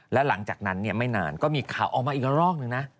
แล้วหลังจากนั้นไม่นานก็มีข่าวออกมาอีกรอบนึงนะ